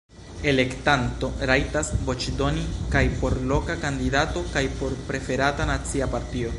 Elektanto rajtas voĉdoni kaj por loka kandidato kaj por preferata nacia partio.